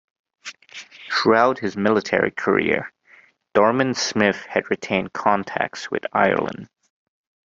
Throughout his military career, Dorman-Smith had retained contacts with Ireland.